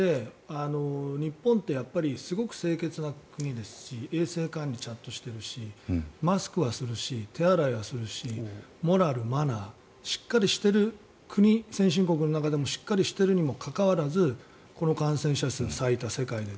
日本ってやっぱりすごく清潔な国ですし衛生管理がちゃんとしているしマスクはするし手洗いはするしモラル、マナーしっかりしてる国先進国の中でもしっかりしているのにもかかわらず感染者数最多、世界で。